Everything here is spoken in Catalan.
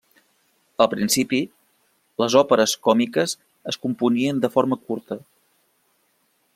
Al principi, les òperes còmiques es componien de forma curta.